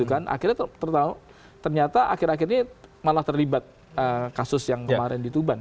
akhirnya ternyata akhir akhir ini malah terlibat kasus yang kemarin di tuban